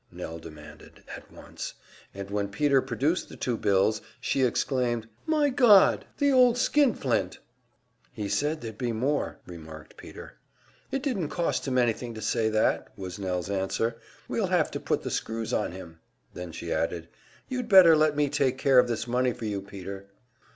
Nell demanded, at once, and when Peter produced the two bills, she exclaimed, "My God! the old skint flint!" "He said there'd be more," remarked Peter. "It didn't cost him anything to say that," was Nell's answer. "We'll have to put the screws on him." Then she added, "You'd better let me take care of this money for you, Peter."